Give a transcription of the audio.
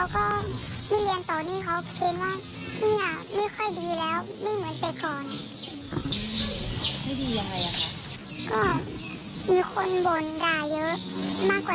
ก็มีคนบ่นด่าเยอะมากกว่าแต่ก่อนค่ะ